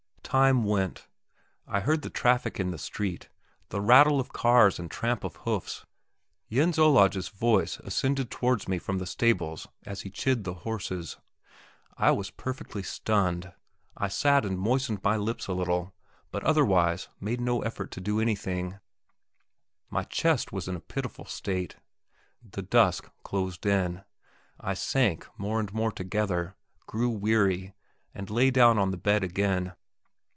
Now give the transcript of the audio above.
Time went; I heard the traffic in the street, the rattle of cars and tramp of hoofs. Jens Olaj's voice ascended towards me from the stables as he chid the horses. I was perfectly stunned. I sat and moistened my lips a little, but otherwise made no effort to do anything; my chest was in a pitiful state. The dusk closed in; I sank more and more together, grew weary, and lay down on the bed again.